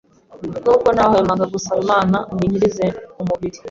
nubwo ntahwemaga gusaba Imana ngo inkirize umubiri